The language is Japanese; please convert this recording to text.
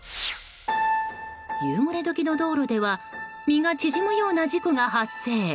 夕暮れ時の道路では身が縮むような事故が発生。